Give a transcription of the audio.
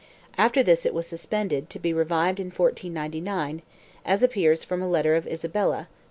After this it was suspended to be revived in 1499, as appears from a letter of Isabella, Dec.